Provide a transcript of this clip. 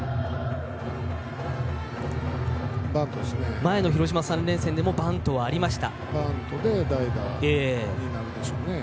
前の広島３連戦でもバントはありました。